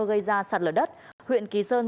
gây ra sạt lở đất huyện kỳ sơn